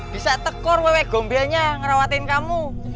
bisa tekor wewe gombelnya ngerawatin kamu